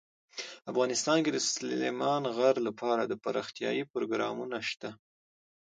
افغانستان کې د سلیمان غر لپاره دپرمختیا پروګرامونه شته.